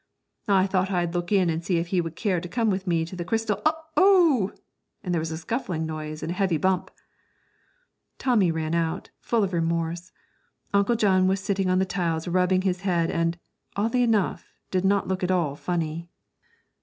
'I thought I'd look in and see if he would care to come with me to the Crystal oh!' And there was a scuffling noise and a heavy bump. Tommy ran out, full of remorse. Uncle John was sitting on the tiles rubbing his head, and, oddly enough, did not look at all funny.